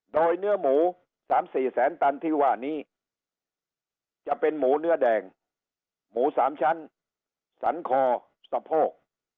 โดยเนื้อหมู๓๔แสนตันที่ว่านี้จะเป็นหมูเนื้อแดงหมู๓ชั้นสันคอสะโพก